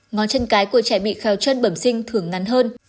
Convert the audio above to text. ngón chân cái của trẻ bị khao chân bẩm sinh thường ngắn hơn